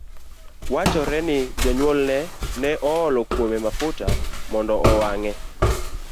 Wachore ni janyuolno ne oolo kuome mafuta mondo owang'e.